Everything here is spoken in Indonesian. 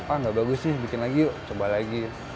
oh gak bagus sih bikin lagi yuk coba lagi